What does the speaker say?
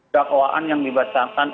dikakauan yang dibacakan